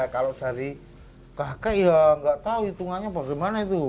kalau dari kakek ya nggak tahu hitungannya bagaimana itu